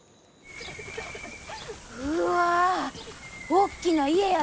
うわおっきな家やな！